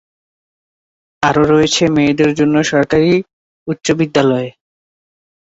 আরো রয়েছে মেয়েদের জন্য সরকারি বালিকা উচ্চবিদ্যালয়।